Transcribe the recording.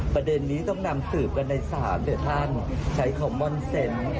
ประเด็นนี้ต้องนำสืบกันในศาลแต่ท่านใช้คำม่อนเซนต์